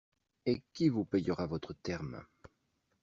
Et qui vous payera votre terme?